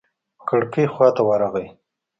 کړکۍ خوا ته ورغى.